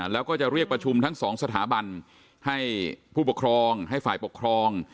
แล้วก็จะเรียกประชุมทั้งสองสถาบันให้ผู้ปกครองให้ฝ่ายปกครอง